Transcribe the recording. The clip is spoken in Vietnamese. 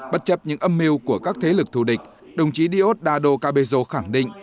bất chấp những âm mưu của các thế lực thù địch đồng chí diosdado cabezo khẳng định